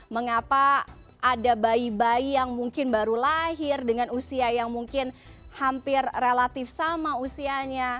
mengapa ada bayi bayi yang mungkin baru lahir dengan usia yang mungkin hampir relatif sama usianya